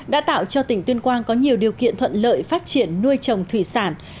đã tạo cho tỉnh tuyên quang có nhiều điều kiện thuận lợi phát triển nuôi trồng thủy sản